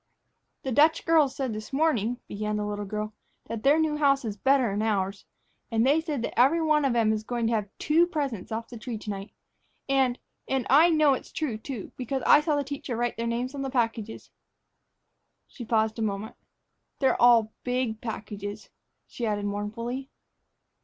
"The Dutch girls said this morning," began the little girl, "that their new house is better 'n ours. And they said that every one of 'em is going to have two presents off the tree to night. And and I know it's true, too, because I saw the teacher write their names on the packages." She paused a moment. "They're all big packages," she added mournfully.